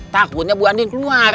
takutnya bu andien keluar